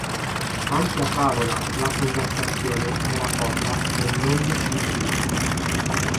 Anche a tavola la conversazione era poca e non intima.